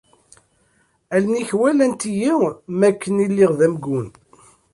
Allen-ik walant-iyi mi akken i lliɣ d amgun.